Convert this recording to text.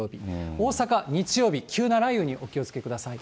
大阪、日曜日、急な雷雨にお気をつけください。